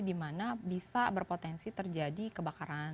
dimana bisa berpotensi terjadi kebakaran